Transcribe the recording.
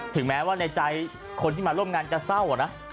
ถึงแม้ว่าในใจคนที่มาร่วมงานจะเศร้านะ